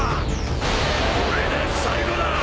これで最後だ！